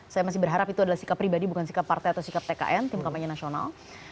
saya masih berharap itu adalah sikap pribadi bukan sikap partai atau sikap tkn tim kampanye nasional